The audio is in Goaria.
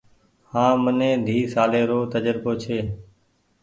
هآن مني ۮي سالي رو تجربو ڇي۔